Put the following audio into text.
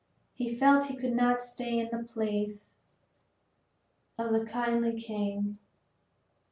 He felt he could not stay in the palace of the kindly king.